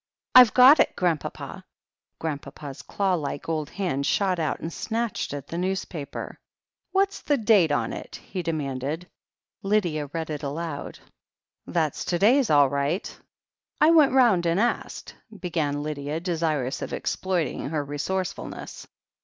"Fve got it, Grandpapa!" Grandpapa's claw like old hand shot out and snatched at the newspaper. "What's the date on it?" he demanded. Lydia read it aloud. THE HEEL OF ACHILLES 33 That's to day's all right." I went round and asked " began Lydia, desir ous of exploiting her resourcefulness.